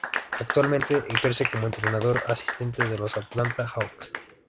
Actualmente ejerce como entrenador asistente de los Atlanta Hawks.